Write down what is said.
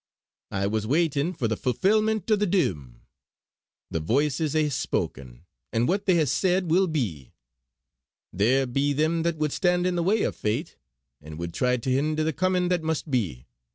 I was waitin' for the fulfillment o' the Doom. The Voices hae spoken; and what they hae said, will be. There be them that would stand in the way o' Fate, and would try to hinder the comin' that must be.